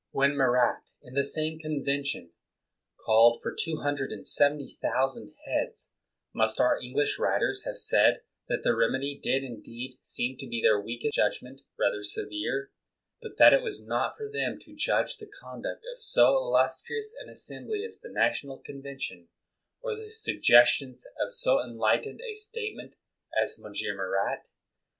When Marat, in the same Convention, called for two hundred and seventy thousand heads, must our English writers have said that the remedy did, indeed, seem to their weak judg ment rather severe ; but that it was not for them to judge the conduct of so illustrious an assem bly as the National Convention, or the sugges tions of so enlightened a statesman as M. Marat